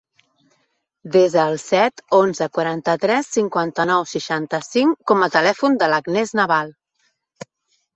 Desa el set, onze, quaranta-tres, cinquanta-nou, seixanta-cinc com a telèfon de l'Agnès Naval.